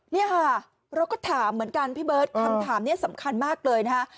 นี่ค่ะเราก็ถามเหมือนกันพี่เบิร์ตคำถามนี้สำคัญมากเลยนะฮะ